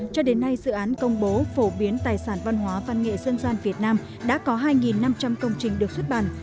cho đến nay dự án công bố phổ biến tài sản văn hóa văn nghệ dân gian việt nam đã có hai năm trăm linh công trình được xuất bản